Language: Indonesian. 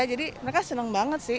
jadi mereka senang banget sih